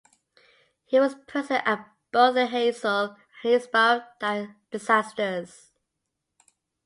He was present at both the Heysel and Hillsborough disasters.